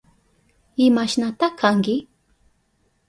¿Imashnata kanki?